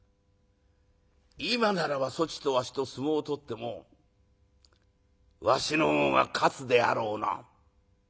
今ならばそちとわしと相撲を取ってもわしの方が勝つであろうな」。